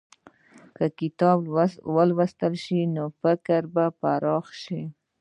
که کتاب ولوستل شي، نو فکر به پراخ شي.